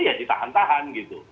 ya ditahan tahan gitu